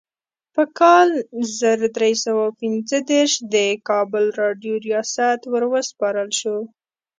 په کال زر درې سوه پنځه دیرش د کابل راډیو ریاست وروسپارل شو.